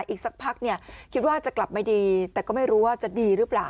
อีกสักพักเนี่ยคิดว่าจะกลับไม่ดีแต่ก็ไม่รู้ว่าจะดีหรือเปล่า